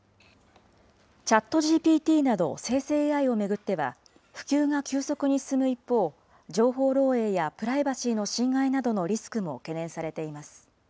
ＣｈａｔＧＰＴなど生成ＡＩを巡っては、普及が急速に進む一方、情報漏えいやプライバシーの侵害などのリスクも懸念されています。